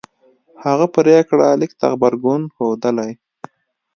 هغه پرېکړه لیک ته غبرګون ښودلی